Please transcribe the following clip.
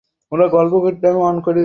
শহর তো আমাদের দিয়ে ভর্তি, তাই না?